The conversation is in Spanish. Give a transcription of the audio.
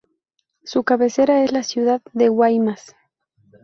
Su cabecera es la ciudad de Guaymas.